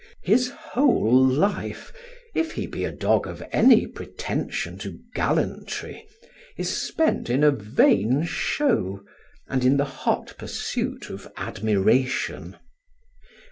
His whole life, if he be a dog of any pretension to gallantry, is spent in a vain show, and in the hot pursuit of admiration.